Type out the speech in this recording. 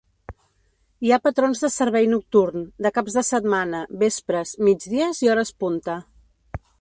Hi ha patrons de servei nocturn, de caps de setmana, vespres, migdies i hores punta.